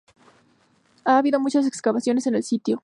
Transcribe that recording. Ha habido muchas excavaciones en el sitio.